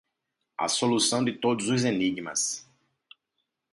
a solução de todos os enigmas